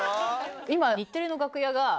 今。